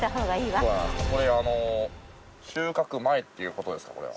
これ収穫前っていう事ですか？